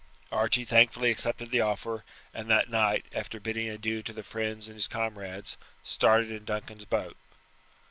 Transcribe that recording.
Archie thankfully accepted the offer, and that night, after bidding adieu to the friends and his comrades, started in Duncan's boat.